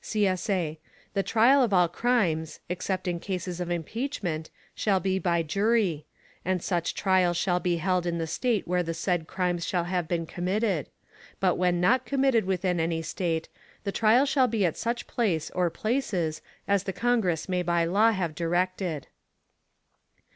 [CSA] The trial of all crimes, except in cases of impeachment, shall be by jury; and such trial shall be held in the State where the said crimes shall have been committed; but when not committed within any State the trial shall be at such place or places as the Congress may by law have directed.